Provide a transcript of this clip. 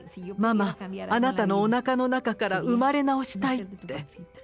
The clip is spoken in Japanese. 「ママあなたのおなかの中から生まれ直したい」って。